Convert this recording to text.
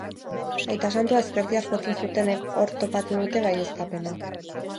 Aita santua ezkertiar jotzen zutenek, hor topatu dute baieztapena.